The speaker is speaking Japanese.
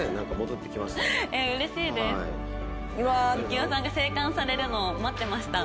行雄さんが生還されるのを待ってました。